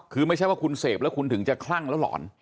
คือไม่ใช่ว่าคุณเสพแล้วคุณถึงจะคลั่งแล้วหลอน